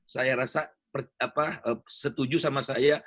saya rasa setuju sama saya